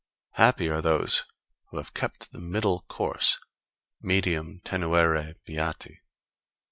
Happy are those who have kept the middle course medium tenuere beati.